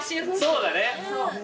そうだね。